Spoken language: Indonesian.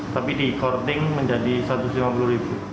tapi dikorting menjadi satu ratus lima puluh ribu